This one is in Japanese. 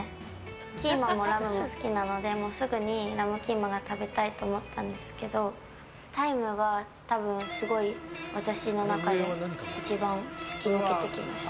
キーマもラムも好きなのですぐにラムキーマが食べたいと思ったんですけどタイムがすごい私の中で一番突き抜けてきました。